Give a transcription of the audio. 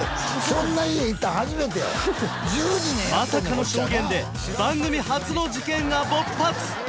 まさかの証言で番組初の事件が勃発！